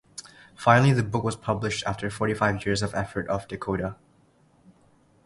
Finally the book was published after forty five years of efforts of Dehkhoda.